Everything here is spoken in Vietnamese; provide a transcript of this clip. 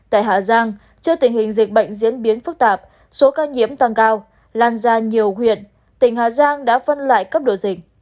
tại hà giang trước tình hình dịch bệnh diễn biến phức tạp số ca nhiễm tăng cao lan ra nhiều huyện tỉnh hà giang đã phân loại cấp độ dịch